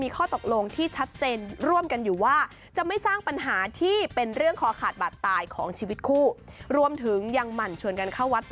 คุณผู้ชายต้องตามคุณถึงทำตามไง